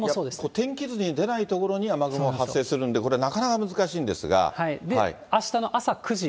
天気図に出ない所に雨雲が発生するんで、これ、なかなか難しで、あしたの朝９時。